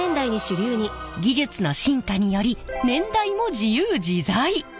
技術の進化により年代も自由自在。